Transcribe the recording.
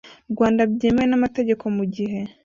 Rwanda byemewe n amategeko mu gihe